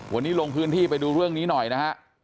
วันนี้ลงพื้นที่ไปดูเรื่องนี้หน่อยนะฮะ